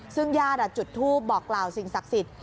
ซึ่งญาติจุดทูปบอกกล่าวสิ่งศักดิ์สิทธิ